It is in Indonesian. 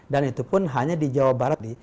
dan itu pun hanya di jawa barat